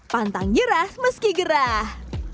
pantang nyerah meski gerah